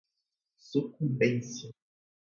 sucumbência